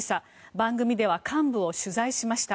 番組では幹部を取材しました。